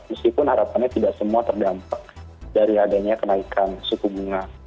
meskipun harapannya tidak semua terdampak dari adanya kenaikan suku bunga